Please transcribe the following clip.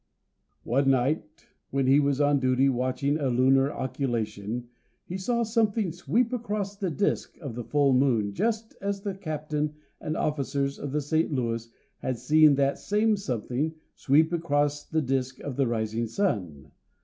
One night when he was on duty watching a lunar occultation, he saw something sweep across the disc of the full moon just as the captain and officers of the St. Louis had seen that same something sweep across the disc of the rising sun.